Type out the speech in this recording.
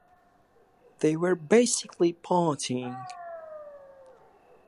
They were basically partying.